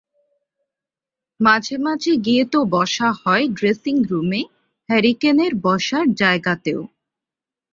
মাঝে মাঝে গিয়ে তো বসা হয় ড্রেসিংরুমে হ্যারি কেনের বসার জায়গাতেও।